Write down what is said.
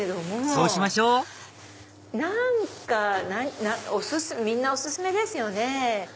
そうしましょう何かお薦めみんなお薦めですよね。